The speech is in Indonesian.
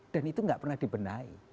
dan itu nggak pernah dibenahi